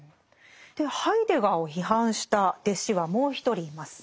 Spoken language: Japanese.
でハイデガーを批判した弟子はもう１人います。